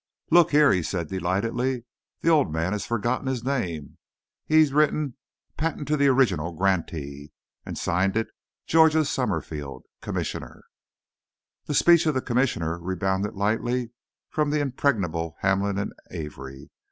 "Look here," he said, delightedly, "the old man has forgotten his name. He's written 'Patent to original grantee,' and signed it 'Georgia Summerfield, Comr.'" The speech of the Commissioner rebounded lightly from the impregnable Hamlin and Avery.